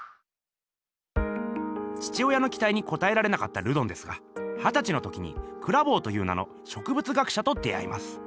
父親のきたいにこたえられなかったルドンですがはたちの時にクラヴォーという名の植物学者と出会います。